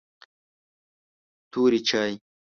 توري چای